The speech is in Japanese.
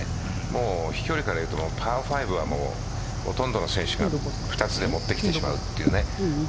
飛距離からいうとパー５はほとんどの選手が２つでもってきてしまうという。